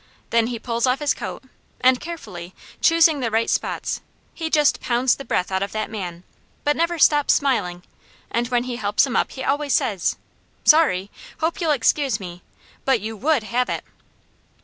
Then he pulls off his coat, and carefully, choosing the right spots, he just pounds the breath out of that man, but he never stops smiling, and when he helps him up he always says: 'Sorry! hope you'll excuse me, but you WOULD have it.'